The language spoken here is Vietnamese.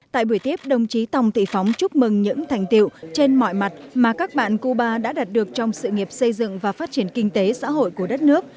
tại buổi tiếp đồng chí tòng thị phóng chúc mừng những thành tiệu trên mọi mặt mà các bạn cuba đã đạt được trong sự nghiệp xây dựng và phát triển kinh tế xã hội của đất nước